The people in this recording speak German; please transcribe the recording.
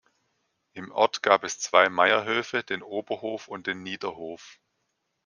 Im Ort gab es zwei Meierhöfe, den Oberhof und den Niederhof.